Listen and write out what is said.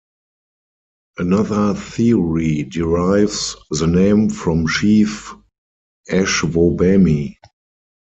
Another theory derives the name from Chief Ashwaubamy.